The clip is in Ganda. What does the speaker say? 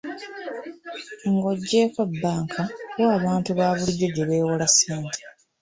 Ng'oggyeeko bbanka, wa abantu baabulijjo gye beewola ssente?